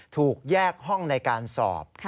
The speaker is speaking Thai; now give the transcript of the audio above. ถูกแยกห้องในการสอบ